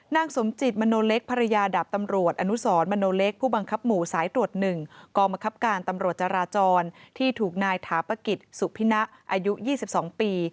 นางสมจิตมโนเล็กภรรยาดาบตำรวจอนุสมโนเล็กผู้บังคับหมู่สายตรวจ๑กองบังคับการตำรวจจราจรที่ถูกนายถาปกิจสุพิณะอายุ๒๒ปี